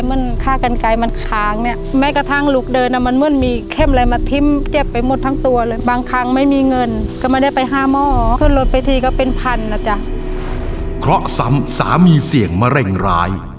เพราะสำสามีเสี่ยงมะเร่งร้ายเพราะสำสามสามีเสี่ยงมะเร่งร้าย